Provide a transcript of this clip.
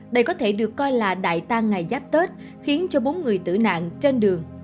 đây có thể được coi là đại tan ngày giáp tết khiến cho bốn người tử nạn trên đường